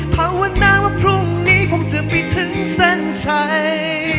ภาวนาว่าพรุ่งนี้ผมจะไปถึงเส้นชัย